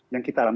yang kita alami